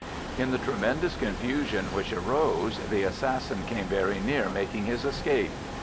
In the tremendous confusion which arose, the assassin came very near making his escape.